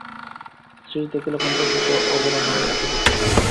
শ্রীশ দেখিল কণ্ঠস্বরটিও অবলা নামের উপযুক্ত।